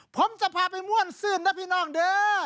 ผมจะพาไปม่วนซื่นนะพี่น้องเด้อ